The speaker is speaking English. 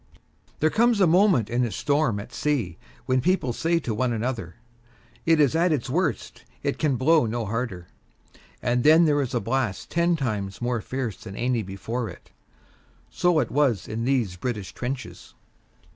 There comes a moment in a storm at sea when people say to one another, "It is at its worst; it can blow no harder," and then there is a blast ten times more fierce than any before it. So it was in these British trenches.